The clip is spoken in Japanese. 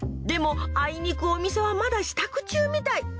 でもあいにくお店はまだ仕度中みたい。